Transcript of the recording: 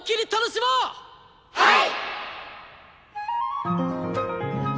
はい！